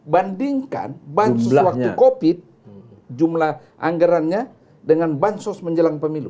bandingkan bansos waktu covid jumlah anggarannya dengan bansos menjelang pemilu